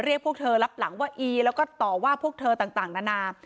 พวกเธอรับหลังว่าอีแล้วก็ต่อว่าพวกเธอต่างนานา